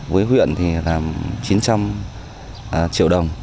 với huyện thì là chín trăm linh triệu đồng